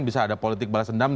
bisa ada politik balas dendam